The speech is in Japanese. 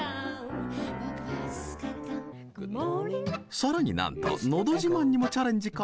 更になんと「のど自慢」にもチャレンジか？